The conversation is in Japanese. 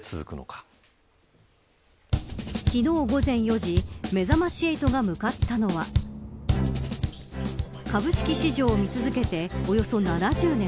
昨日午前４時めざまし８が向かったのは株式市場を見続けておよそ７０年。